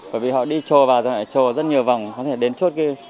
bởi vì họ đi trồ vào rồi lại trồ rất nhiều vòng có thể đến chốt kia